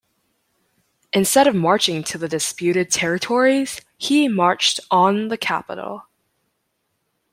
Instead of marching to the disputed territories, he marched on the capital.